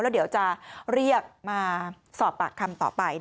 แล้วเดี๋ยวจะเรียกมาสอบปากคำต่อไป